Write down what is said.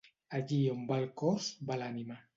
Allí on va el cos, va l'ànima.